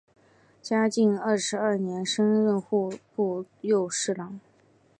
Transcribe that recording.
嘉靖二十二年升任户部右侍郎。